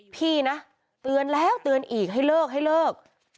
พี่นะเตือนแล้วเตือนอีกให้เลิกให้เลิก